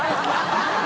ハハハ